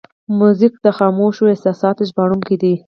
موزیک د خاموشو احساساتو ژباړونکی دی.